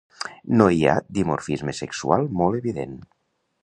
No hi ha dimorfisme sexual molt evident.